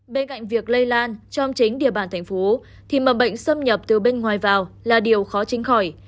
bên cạnh việc lây lan trong chính địa bàn thành phố thì mầm bệnh xâm nhập từ bên ngoài vào là điều khó tránh khỏi